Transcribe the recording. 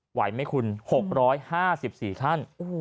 ไหวไม่คุณ๖๕๔ขั้น